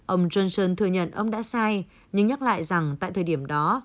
ông johnson thừa nhận ông đã sai nhưng nhắc lại rằng tại thời điểm đó